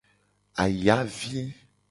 Ayavi.